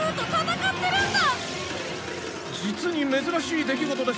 「実に珍しい出来事です」